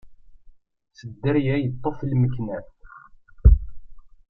S dderya yeṭṭef lmeknat.